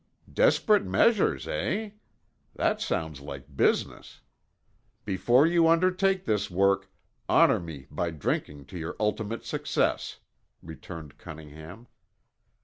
"Desperate measures, eh? That sounds like business. Before you undertake this work, honor me by drinking to your ultimate success," returned Cunningham.